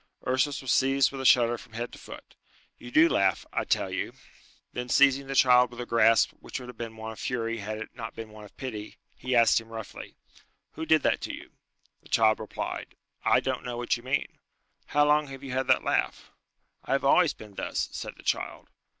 Ursus was seized with a shudder from head to foot. "You do laugh, I tell you." Then seizing the child with a grasp which would have been one of fury had it not been one of pity, he asked him: roughly, "Who did that to you?" The child replied, "I don't know what you mean." "How long have you had that laugh?" "I have always been thus," said the child.